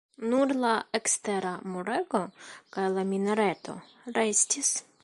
Nur la ekstera murego kaj la minareto restis.